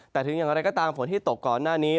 แต่ถึงอย่างไรก็ตามฝนที่ตกก่อนหน้านี้